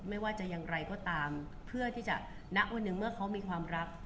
ไม่ว่าจะอย่างไรก็ตามเพื่อที่จะณวันหนึ่งเมื่อเขามีความรัก